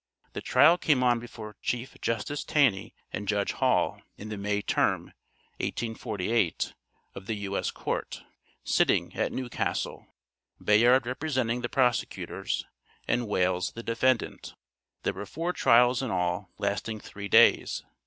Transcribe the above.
The trial came on before Chief Justice Taney and Judge Hall, in the May term (1848) of the U.S. Court, sitting at New Castle, Bayard representing the prosecutors, and Wales the defendant. There were four trials in all, lasting three days.